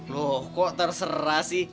loh kok terserah sih